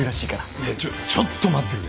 いやちょちょっと待ってくれ。